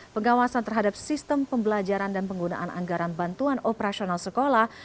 pengawasan terhadap sistem pembelajaran dan penggunaan anggaran bantuan operasional sekolah